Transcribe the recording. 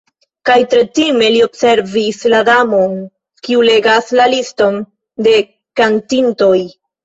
Kaj tre time li observis la Damon, kiu legas la liston de kantintoj.